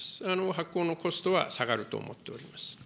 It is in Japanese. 発行のコストは下がると思っております。